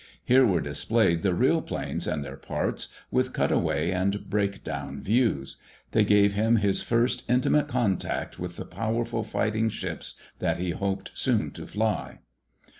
Here were displayed the real planes and their parts, with cutaway and breakdown views. They gave him his first intimate contact with the powerful, fighting ships that he hoped soon to fly.